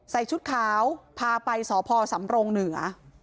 ชุดขาวพาไปสพสำรงเหนือ